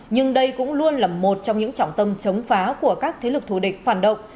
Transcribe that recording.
nhưng đây cũng luôn là một trong những trọng tâm chống phá của các thế lực thù địch phản động